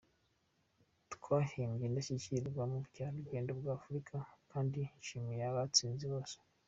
Twahembye indashyikirwa mu bukerarugendo bwa Afurika kandi nshimiye abatsinze bose.